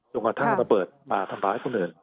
จนกว่าถ้าระเบิดมาทำร้ายคนอื่น